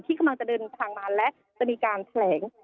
กำลังจะเดินทางมาและจะมีการแถลง